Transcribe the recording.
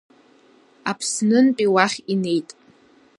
Аԥснынтәи уахь инеит.